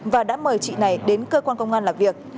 và đã mời chị này đến cơ quan công an làm việc